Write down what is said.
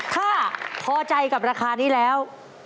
ถ้าพอใจกับราคานี้แล้ว